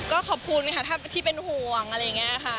ก็ขอบคุณค่ะถ้าที่เป็นห่วงอะไรอย่างนี้ค่ะ